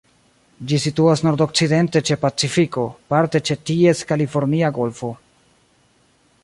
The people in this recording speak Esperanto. Ĝi situas nordokcidente ĉe Pacifiko, parte ĉe ties Kalifornia Golfo.